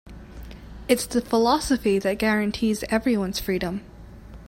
It's the philosophy that guarantees everyone's freedom.